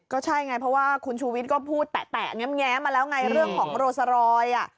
ก็ใช่ไงเพราะว่าคุณชูวิทย์ก็พูดแตะแง้มมาแล้วไงเรื่องของโรสรอย